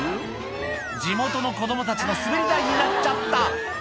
地元の子どもたちの滑り台になっちゃった。